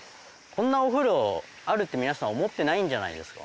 こんなお風呂あるって皆さん思ってないんじゃないですか？